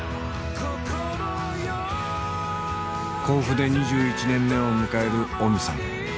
甲府で２１年目を迎えるオミさん。